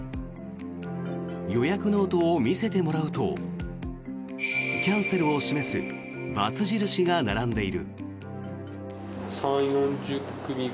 予約ノートを見せてもらうとキャンセルを示すバツ印が並んでいる。